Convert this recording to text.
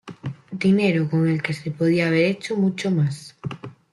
dinero con el que se podía haber hecho mucho más